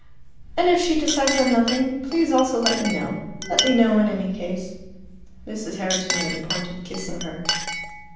"And if she decides on nothing, please also let me know. Let me know in any case." Mrs. Herriton made a point of kissing her.